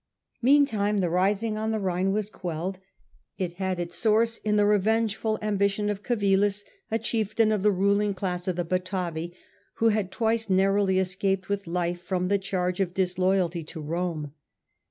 Meantime the rising on the Rhine was quelled. It had its source in the revengeful ambition of Civilis, a The rebellion chieftain of the ruling class of the Batavi, GennL\y— twicc narrowly escaped with life its causes, from the charge of disloyalty to Rome.